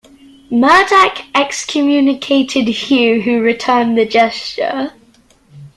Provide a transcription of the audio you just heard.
Murdac excommunicated Hugh, who returned the gesture.